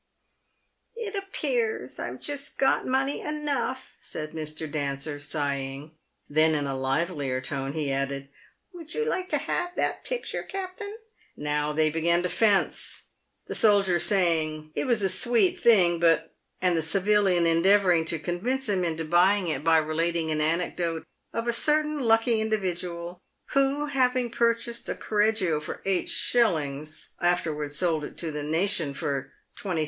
" It appears I've just got money enough," said Mr. Dancer, sigh ing. Then, in a livelier tone, he added, " "Would you like to have that picture, captain ?" Now they again began to fence, the soldier saying, "It was a sweet thing, but " and the civilian endeavouring to convince him into buying it by relating an anecdote of a certain lucky individual, who, having purchased a Correggio for 8s., afterwards sold it to the nation for 20,000Z.